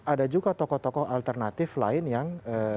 ada juga tokoh tokoh alternatif lain yang